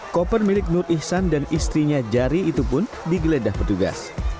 koper milik nur ihsan dan istrinya jari itu pun digeledah petugas